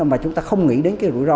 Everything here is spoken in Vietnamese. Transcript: mà chúng ta không nghĩ đến cái rủi ro